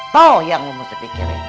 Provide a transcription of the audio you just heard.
tau yang umi sedikirin